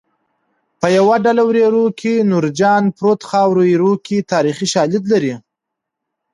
په یوه ډله وریرو کې نورجان پروت خاورو ایرو کې تاریخي شالید لري